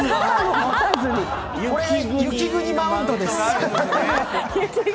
雪国マウントです。